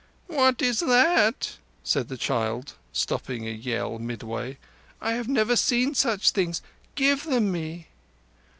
"What is that?" said the child, stopping a yell midway. "I have never seen such things. Give them me."